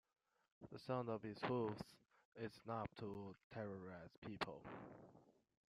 The sound of its hooves is enough to terrorise people.